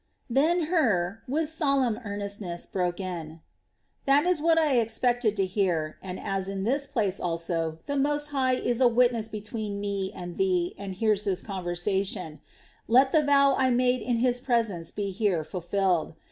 Then Hur, with solemn earnestness, broke in: "That is what I expected to hear and as, in this place also, the Most High is a witness between me and thee and hears this conversation, let the vow I made in His presence be here fulfilled.